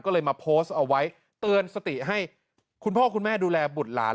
ก็เลยมาโพสต์เอาไว้เตือนสติให้คุณพ่อคุณแม่ดูแลบุตรหลาน